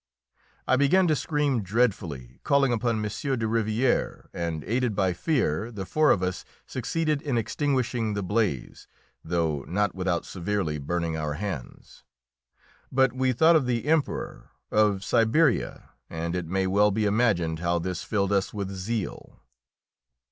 I began to scream dreadfully, calling upon M. de Rivière, and, aided by fear, the four of us succeeded in extinguishing the blaze, though not without severely burning our hands. But we thought of the Emperor, of Siberia, and it may well be imagined how this filled us with zeal!